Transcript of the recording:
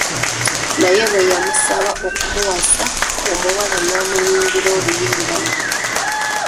Naye bwe yamusaba okumuwasa, omuwala n'amuyimbira oluyimba luno.